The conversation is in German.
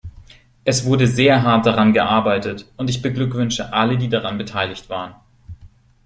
Es wurde sehr hart daran gearbeitet und ich beglückwünsche alle, die daran beteiligt waren.